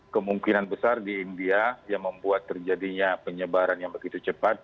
kemungkinan besar di india yang membuat terjadinya penyebaran yang begitu cepat